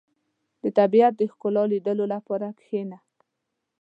• د طبیعت د ښکلا لیدلو لپاره کښېنه.